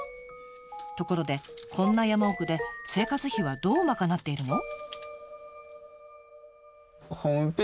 ところでこんな山奥で生活費はどう賄っているの？